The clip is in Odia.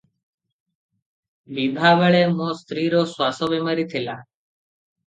ବିଭାବେଳେ ମୋ ସ୍ୱାମୀର ଶ୍ୱାସ ବେମାରୀ ଥିଲା ।